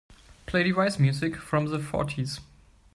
Play Device music from the fourties.